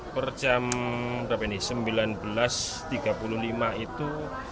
per jam berapa ini sembilan belas tiga puluh lima itu